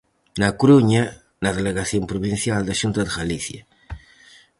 Na Coruña, na Delegación provincial da Xunta de Galicia.